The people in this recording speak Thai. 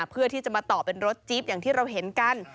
เพื่อที่จะมาต่อเป็นรถจี๊บอย่างที่เราเห็นกัน